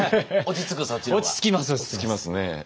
落ち着きます。